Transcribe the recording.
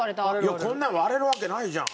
いやこんなの割れるわけないじゃん。